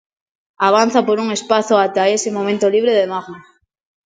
Avanza por un espazo ata ese momento libre de magma.